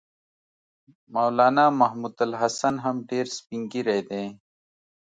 مولنا محمودالحسن هم ډېر سپین ږیری دی.